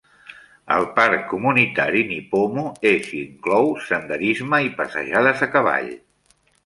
El parc comunitari Nipomo és i inclou senderisme i passejades a cavall.